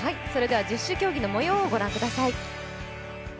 十種競技の模様をご覧ください。